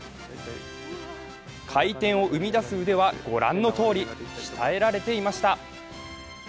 回転を生み出す腕は御覧のとおり、鍛えられていました。